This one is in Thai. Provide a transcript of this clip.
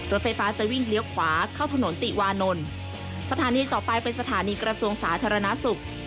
รถไฟฟ้าจะวิ่งเลี้ยวขวาเข้าถนนติวานนท์สถานีต่อไปเป็นสถานีกระทรวงสาธารณสุข